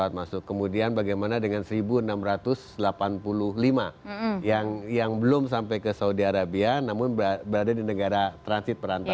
masuk kemudian bagaimana dengan seribu enam ratus delapan puluh lima yang belum sampai ke saudi arabia namun berada di negara transit perantara